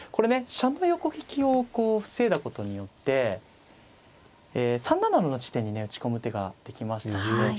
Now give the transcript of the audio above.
飛車の横利きを防いだことによって３七の地点にね打ち込む手ができましたので。